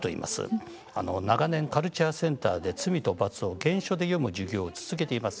長年カルチャーセンターで「罪と罰」を原書で読む授業を続けています。